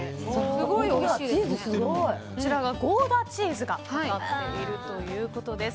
こちらがゴーダチーズがかかっているということです。